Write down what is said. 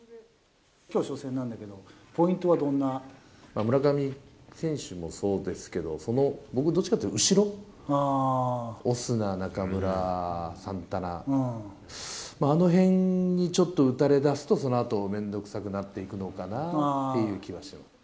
きょう、初戦なんだけど、村上選手もそうですけど、その、僕、どっちかというと、後ろ、オスナ、中村、サンタナ、あのへんにちょっと打たれだすと、そのあと面倒くさくなっていくのかなっていう気はします。